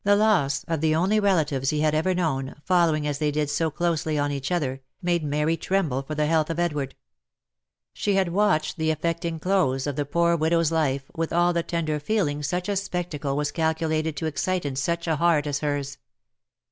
The loss of the only relatives he had ever known, following as they did so closely on each other, made Mary tremble for the health of Edward. She had watched the affecting close of the poor widow's life with all the tender feeling such a spectacle was calculated to ex cite in such a heart as hers.